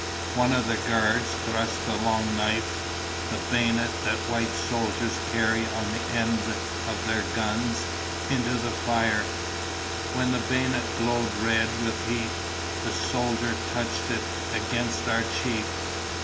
One of the guards thrust the long knife, the bayonet that white soldiers carry on the end of their guns, into the fire. When the bayonet glowed red with heat, the soldier touched it against our chief.